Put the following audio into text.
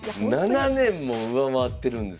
７年も上回ってるんですか。